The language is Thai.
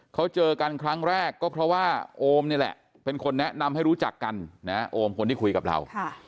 เขาเจอกันครั้งแรกก็เพราะว่าโอมนี่แหละเป็นคนแนะนำให้รู้จักกันนะโอมคนที่คุยกับเรา